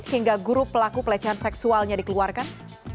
hingga guru pelaku pelecehan seksualnya dikeluarkan